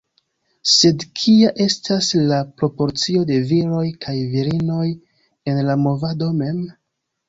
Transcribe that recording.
Sed kia estas la proporcio de viroj kaj virinoj en la movado mem?